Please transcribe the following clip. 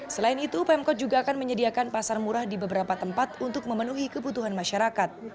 selain itu pemkot juga akan menyediakan pasar murah di beberapa tempat untuk memenuhi kebutuhan masyarakat